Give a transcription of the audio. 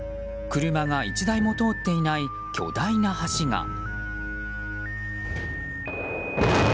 車が１台も通っていない巨大な橋が。